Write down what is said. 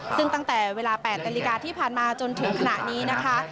ซึ่งตั้งแต่เวลา๘นาฬิกาที่ผ่านมาจนถึงขณะนี้นะคะ